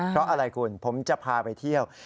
เพราะอะไรคุณผมจะพาไปเที่ยว